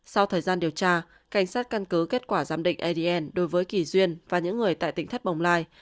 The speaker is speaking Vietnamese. sau thời gian điều tra cảnh sát căn cứ kết quả giám định adn đối với kỳ duyên và những người tại tỉnh thất bồng lai